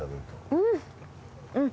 うん。